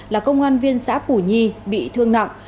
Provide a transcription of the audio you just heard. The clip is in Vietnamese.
là công an viên xã củ nhi bị thương nặng